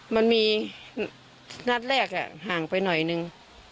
มันมีนัดแรกห่างไปหน่อยนึง